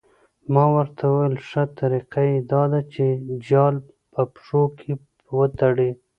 ما ورته وویل ښه طریقه یې دا ده چې جال په پښو کې وتړي.